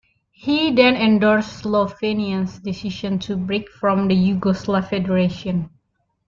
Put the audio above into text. He then endorsed Slovenia's decision to break from the Yugoslav Federation.